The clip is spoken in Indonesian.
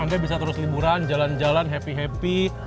anda bisa terus liburan jalan jalan happy happy